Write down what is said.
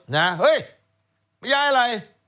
เฮ้ยย้ายอะไร